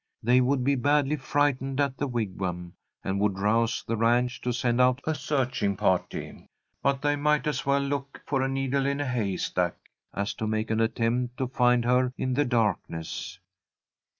They would be badly frightened at the Wigwam, and would rouse the ranch to send out a searching party, but they might as well look for a needle in a haystack as to make an attempt to find her in the darkness.